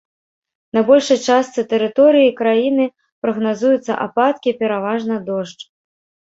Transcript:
На большай частцы тэрыторыі краіны прагназуюцца ападкі, пераважна дождж.